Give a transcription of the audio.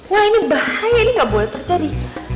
wah ini bahaya ini gak boleh terjadi